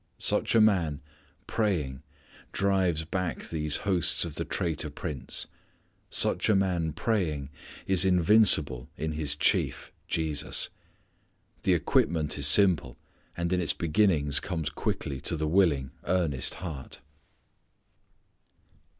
Such a man praying drives back these hosts of the traitor prince. Such a man praying is invincible in his Chief, Jesus. The equipment is simple, and in its beginnings comes quickly to the willing, earnest heart.